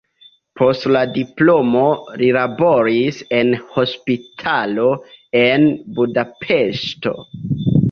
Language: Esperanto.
Post la diplomo li laboris en hospitalo en Budapeŝto.